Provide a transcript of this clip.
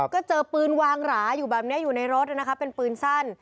ก็เจอปืนวางหราอยู่แบบนี้อยู่ในรถนะคะเป็นปืนสั้น